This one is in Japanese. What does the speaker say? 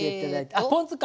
あポン酢か。